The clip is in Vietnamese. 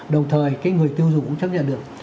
đồng thời cái người tiêu dùng cũng chấp nhận được